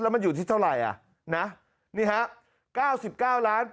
แล้วมันอยู่ที่เท่าไหร่อ่ะนี่ฮะ๙๙๘๓๒๙๔๔โดสนะครับ